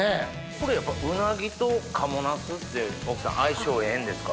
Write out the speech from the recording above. これやっぱうなぎと賀茂なすって奥さん相性ええんですか？